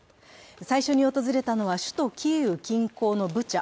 最初に訪れたのは首都キーウ近郊のブチャ。